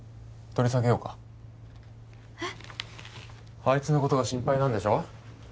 あいつのことが心配なんでしょ？